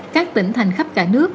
các tỉnh thành khắp cả nước